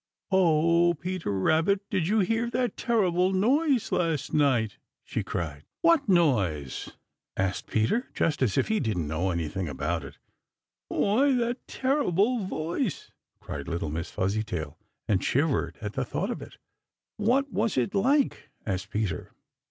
"Oh, Peter Rabbit, did you hear that terrible noise last night?" she cried. "What noise?" asked Peter, just as if he didn't know anything about it. "Why, that terrible voice!" cried little Miss Fuzzytail, and shivered at the thought of it. "What was it like?" asked Peter.